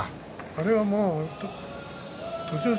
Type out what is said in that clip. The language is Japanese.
あれはもう、栃ノ